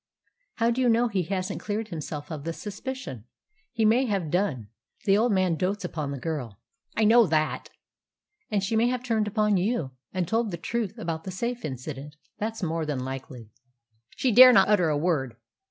"How do you know he hasn't cleared himself of the suspicion? He may have done. The old man dotes upon the girl." "I know all that." "And she may have turned upon you, and told the truth about the safe incident. That's more than likely." "She dare not utter a word."